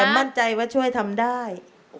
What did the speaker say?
มั่นใจว่าช่วยทำได้